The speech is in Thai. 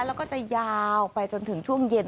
แล้วก็จะยาวไปจนถึงช่วงเย็น